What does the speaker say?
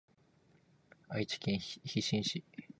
愛知県日進市